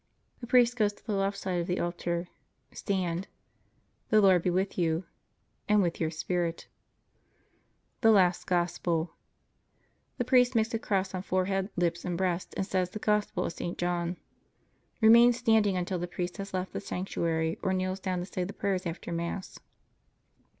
The priest goes to the left side of the altar. Stand The Lord be with you. And with your spirit. THE LAST GOSPEL The priest makes a cross on forehead, lips, and breast, and says the Gospel of St. John. Remain standing until the priest has left the sanctuary or kneels down to say the prayers after Mass.